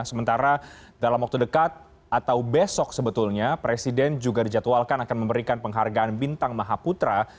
sementara dalam waktu dekat atau besok sebetulnya presiden juga dijadwalkan akan memberikan penghargaan bintang maha putra